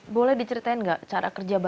boleh diceritain nggak cara kerja bapak